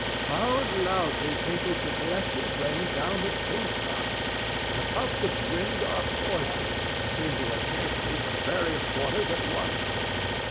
How loudly tinkles the collected rain down the tin spouts! The puffs of wind are boisterous, and seem to assail me from various quarters at once.